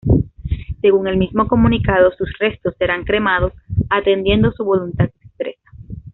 Según el mismo comunicado, sus restos serán cremados "atendiendo su voluntad expresa".